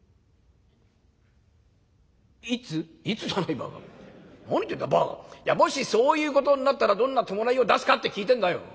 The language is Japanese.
いやもしそういうことになったらどんな葬式を出すかって聞いてんだよ」。